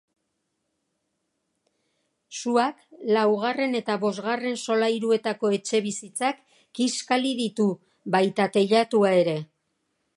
Suak laugarren eta bosgarren solairuetako etxebizitzak kiskali ditu, baita teilatua ere.